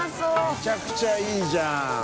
めちゃくちゃいいじゃん。